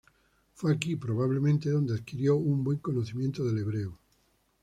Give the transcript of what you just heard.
Fue aquí, probablemente, donde adquirió un buen conocimiento del hebreo.